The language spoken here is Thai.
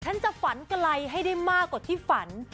ฉันจะฝันไกลให้ได้มากกว่าที่ฝัน